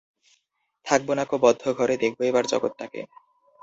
থাকব না কো বদ্ধ ঘরে, দেখব এবার জগৎটাকে।